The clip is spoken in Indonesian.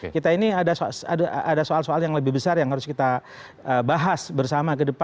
kita ini ada soal soal yang lebih besar yang harus kita bahas bersama ke depan